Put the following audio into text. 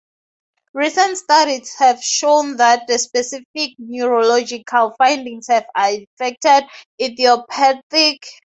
Recent studies have shown that specific neurological findings have affected idiopathic occipital lobe epilepsies.